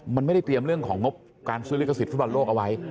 มันไม่ได้เตรียมเรื่องของงบการซื้อลิขสิทธิฟุตบอลโลกเอาไว้